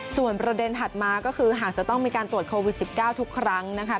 ส่วนประเด็นถัดมาก็คือหากจะต้องมีการตรวจโควิด๑๙ทุกครั้งนะคะ